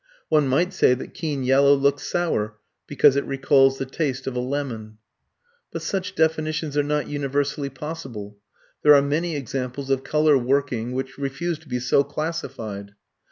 One might say that keen yellow looks sour, because it recalls the taste of a lemon. But such definitions are not universally possible. There are many examples of colour working which refuse to be so classified.